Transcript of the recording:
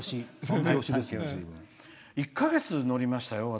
１か月載りましたよ